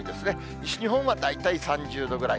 西日本は大体３０度ぐらい。